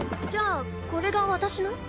じゃあこれが私の？